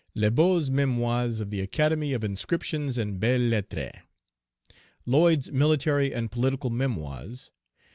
Le Beau's Memoirs of the Academy of inscriptions and Belles Lettres. Lloyd's Military and political Memoirs.